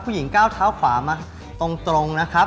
ผู้หญิงก้าวเท้าขวามาตรงนะครับ